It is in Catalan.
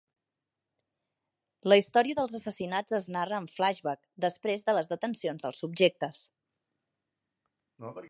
La història dels assassinats es narra en flashback, després de les detencions dels subjectes.